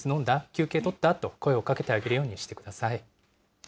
休憩とった？と声をかけてあげるようにしてください。